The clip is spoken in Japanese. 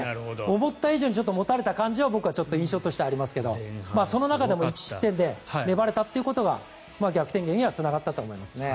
思っていた以上に持たれたような僕は印象としてはありますけどその中でも１失点で粘れたことが逆転劇にはつながったと思います。